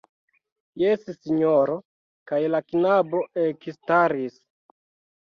Jes, sinjoro, kaj la knabo ekstaris.